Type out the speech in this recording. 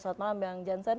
selamat malam bang janssen